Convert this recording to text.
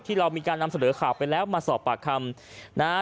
เรามีการนำเสนอข่าวไปแล้วมาสอบปากคำนะฮะ